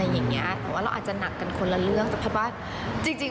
อะไรเงี้ยเฉพาะล่ะอาจจะหนักกันคนละเรื่องแต่เพราะว่าจริง